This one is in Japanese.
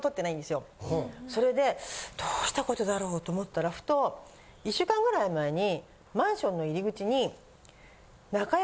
それでどうしたことだろうと思ったらふと１週間ぐらい前にマンションの入り口に。